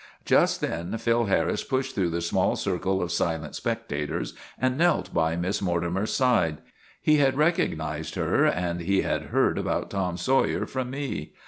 Just then Phil Harris pushed through the small circle of silent spectators and knelt by Miss Morti mer's side. He had recognized her and he had heard about Tom Sawyer from me.